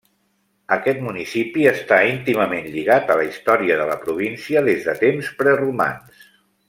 Aquest municipi està íntimament lligat a la història de la província des de temps preromans.